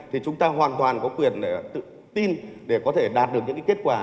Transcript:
thì chúng ta hoàn toàn có quyền để tự tin để có thể đạt được những kết quả